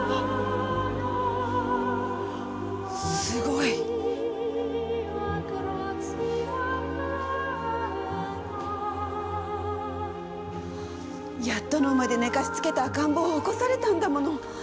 すごい。やっとの思いで寝かしつけた赤ん坊を起こされたんだもの。